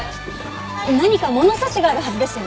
何か物差しがあるはずですよね。